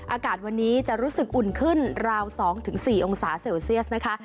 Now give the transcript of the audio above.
อากาศวันนี้จะรู้สึกอุ่นขึ้นราว๒๔องศาเซลเซียสนะคะ